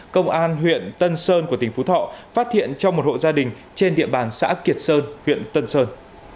công an huyện tân sơn của tỉnh phú thọ phát hiện trong một hộ gia đình trên địa bàn xã kiệt sơn huyện tân sơn